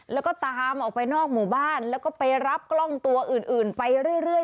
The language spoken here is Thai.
แล้วก็ตามออกไปนอกหมู่บ้านแล้วก็ไปรับกล้องตัวอื่นไปเรื่อย